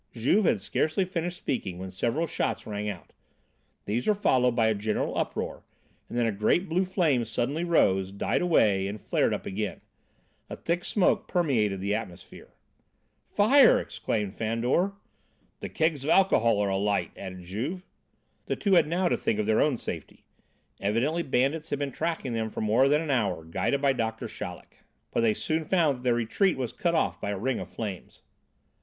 '" Juve had scarcely finished speaking when several shots rang out; these were followed by a general uproar and then a great blue flame suddenly rose, died away and flared up again. A thick smoke permeated the atmosphere. "Fire," exclaimed Fandor. "The kegs of alcohol are alight," added Juve. The two had now to think of their own safety. Evidently bandits had been tracking them for more than an hour, guided by Doctor Chaleck. But they soon found that their retreat was cut off by a ring of flames.